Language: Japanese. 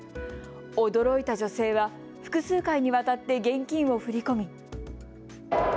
驚いた女性は複数回にわたって現金を振り込み。